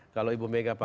kalau ibu mega pakai